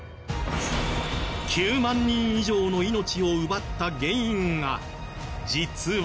９万人以上の命を奪った原因が実は。